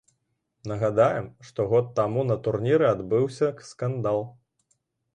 Нагадаем, што год таму на турніры адбыўся скандал.